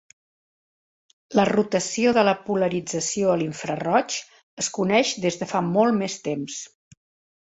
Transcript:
La rotació de la polarització a l'infraroig es coneix des de fa molt més temps.